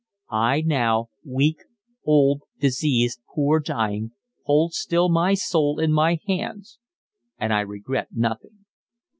I now, weak, old, diseased, poor, dying, hold still my soul in my hands, and I regret nothing."